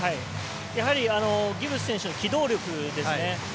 やはりギブス選手は機動力ですね。